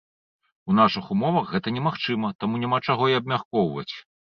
У нашых умовах гэта немагчыма, таму няма чаго і абмяркоўваць.